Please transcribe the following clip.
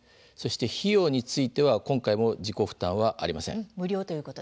費用については今回も自己負担はありません。